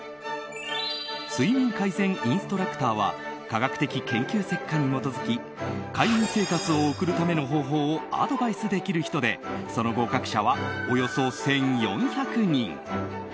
睡眠改善インストラクターは科学的研究結果に基づき快眠生活を送るための方法をアドバイスできる人でその合格者はおよそ１４００人。